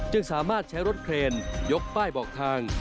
สามารถใช้รถเครนยกป้ายบอกทาง